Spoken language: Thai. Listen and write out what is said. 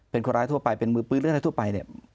เป็นคนร้ายทั่วไปเป็นมือปืนหรืออะไรทั่วไปเนี่ย